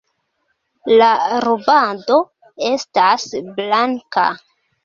La rubando estas blanka.